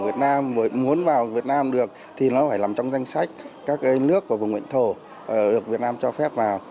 việt nam muốn vào việt nam được thì nó phải nằm trong danh sách các nước và vùng lãnh thổ được việt nam cho phép vào